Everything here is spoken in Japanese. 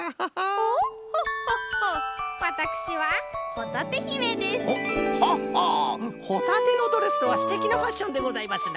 ホタテのドレスとはすてきなファッションでございますな。